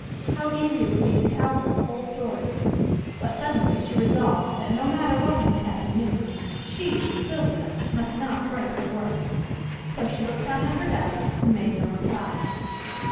How easy it would be to tell her the whole story. But suddenly she resolved that no matter what Miss Patten knew, she, Sylvia, must not break her word. So she looked down at her desk, and made no reply.